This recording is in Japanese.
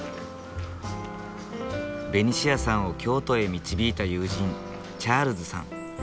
ベニシアさんを京都へ導いた友人チャールズさん。